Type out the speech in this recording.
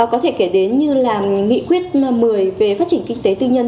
có thể kể đến như là nghị quyết một mươi về phát triển kinh tế tư nhân